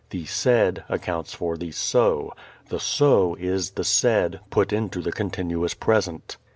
The said accounts for the so. The so is the said put into the continuous present.